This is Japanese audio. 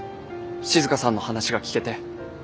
静さんの話が聞けて。